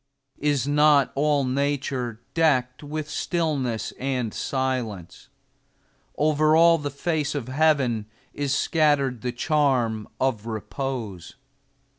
Is not all nature decked with stillness and silence? Over all the face of heaven is scattered the charm of repose.